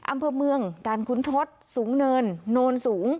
อำเภอเมืองการคุ้นทศสูงเนินโนนสูง